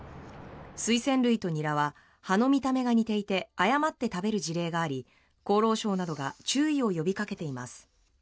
スイセン類とニラは葉の見た目が似ていて誤って食べる事例があり厚労省などが注意を呼びかけています。